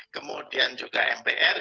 kemudian juga mpr